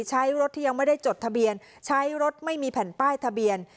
ใช้รถที่ยังไม่ได้จดทะเบียนใช้รถไม่มีแผ่นป้ายทะเบียน